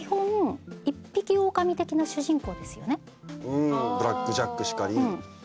うん『ブラック・ジャック』しかり。